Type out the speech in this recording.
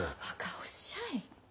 ばかおっしゃい。